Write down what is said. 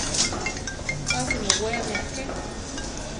Tasi muweame aké.